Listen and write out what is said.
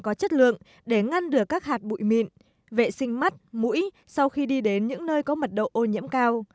có chất lượng để ngăn được các hạt bụi mịn vệ sinh mắt mũi sau khi đi đến những nơi có mật độ ô nhiễm cao